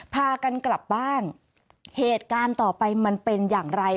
พากันกลับบ้านเหตุการณ์ต่อไปมันเป็นอย่างไร